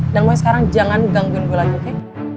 dan mulai sekarang jangan gangguin gua lagi oke